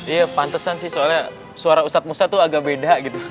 iya pantesan sih soalnya suara ustadz musa tuh agak beda gitu